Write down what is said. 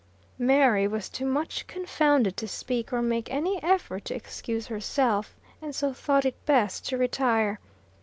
Mary was too much confounded to speak, or make any effort to excuse herself; and so thought it best to retire.